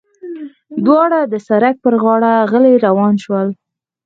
دواړه د سړک پر غاړه غلي روان شول.